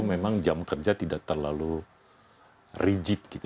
memang jam kerja tidak terlalu rigid gitu